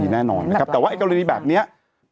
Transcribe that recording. แต่ว่าไอ้กรณีแบบเนี้ย